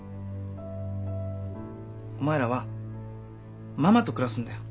お前らはママと暮らすんだよ。